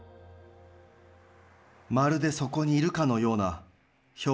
まるでそこにいるかのような表情やしぐさ。